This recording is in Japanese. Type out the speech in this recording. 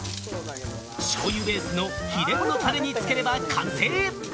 しょうゆベースの秘伝のタレにつければ完成。